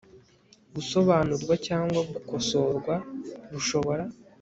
gusobanurwa cyangwa gukosorwa rushobora